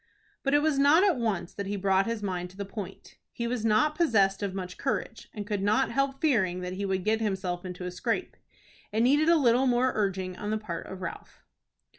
But it was not at once that he brought his mind to the point. He was not possessed of much courage, and could not help fearing that he would get himself into a scrape. It needed a little more urging on the part of Ralph.